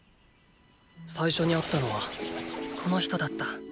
最初に会ったのはこの人だった。